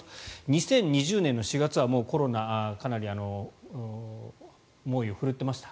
２０２０年４月はコロナかなり猛威を振るっていました。